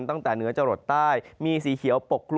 ตั้งแต่เนื้อจรดใต้มีสีเขียวปกดลุมอยู่บ้าง